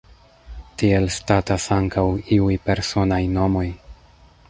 Tiel statas ankaŭ iuj personaj nomoj.